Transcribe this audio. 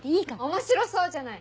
面白そうじゃない。